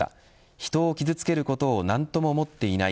人を傷つけることを何とも思っていない。